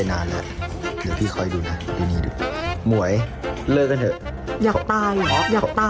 อุ๊ยทำไมทำไมถึงเลิกเหมือนเล่นแรงเกินมันเยอะ